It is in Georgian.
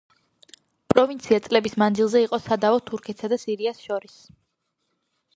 პროვინცია წლების მანძილზე იყო სადავო თურქეთსა და სირიას შორის.